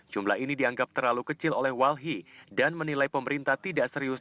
jumlah ini dianggap terlalu kecil oleh walhi dan menilai pemerintah tidak serius